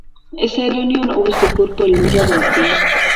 سیلانیان اوس د کور په لور روان دي.